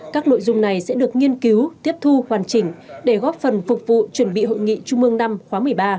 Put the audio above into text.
các nội dung này sẽ được nghiên cứu tiếp thu hoàn chỉnh để góp phần phục vụ chuẩn bị hội nghị trung mương năm khóa một mươi ba